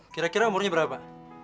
kira kira umurnya berapa